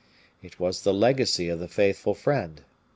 It was the legacy of the faithful friend.